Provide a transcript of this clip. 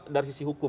dari sisi hukum